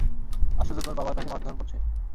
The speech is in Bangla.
আশ্চর্য তোর বাবা তাকে মারধর করছে।